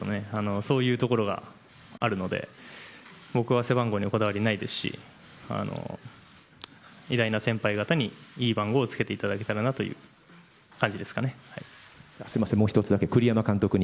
そういうところがあるので僕は背番号にこだわりはないですし偉大な先輩方にいい番号を着けていただけたらなもう１つだけ、栗山監督に。